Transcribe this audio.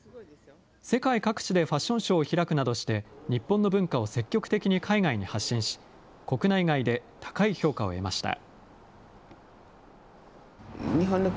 世界各地でファッションショーを開くなどして、日本の文化を積極的に海外に発信し、国内外で高い評価を得ました。